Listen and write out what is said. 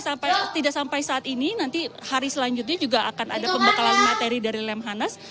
karena tidak sampai saat ini nanti hari selanjutnya juga akan ada pembekalan materi dari lemhanas